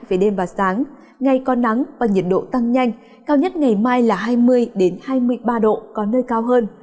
về đêm và sáng ngày có nắng và nhiệt độ tăng nhanh cao nhất ngày mai là hai mươi hai mươi ba độ có nơi cao hơn